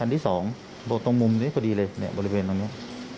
โดยตรงมุมนี้ก็ดีสิบตามนี้